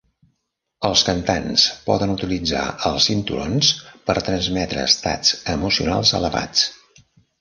Els cantants poden utilitzar els cinturons per transmetre estats emocionals elevats.